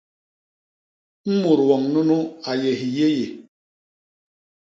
Mut woñ nunu a yé hiyéyé!